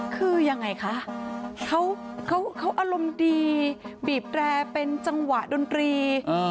คือยังไงคะเขาอารมณ์ดีบีบแร่เป็นจังหวะดนตรี